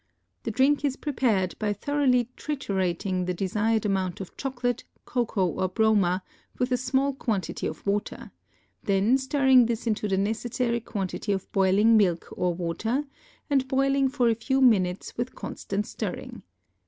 The drink is prepared by thoroughly triturating the desired amount of chocolate, cocoa or broma with a small quantity of water, then stirring this into the necessary quantity of boiling milk or water and boiling for a few minutes with constant stirring.